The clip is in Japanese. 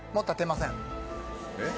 ・えっ？